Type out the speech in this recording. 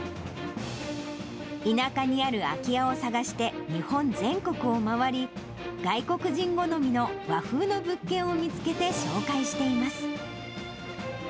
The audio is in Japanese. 田舎にある空き家を探して、日本全国を回り、外国人好みの和風の物件を見つけて紹介しています。